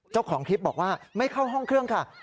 เจ้าของคลิปบอกว่าไม่เข้าห้องเครื่องค่ะ